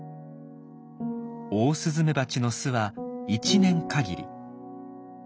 オオスズメバチの巣は１年かぎり。